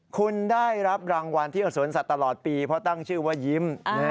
คุณได้รับรางวัลที่อสวนสัตว์ตลอดปีเพราะตั้งชื่อว่ายิ้ม